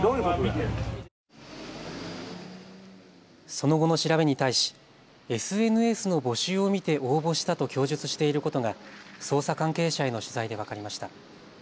その後の調べに対しＳＮＳの募集を見て応募したと供述していることが捜査関係者への取材で分かりました。